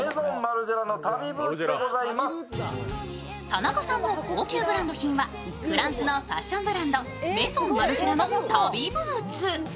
田中さんの高級ブランド品は、フランスのファッションブランド、メゾンマルジェラのＴＡＢＩブーツ。